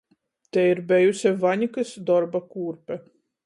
Tei ir bejuse Vaņkys dorba kūrpe.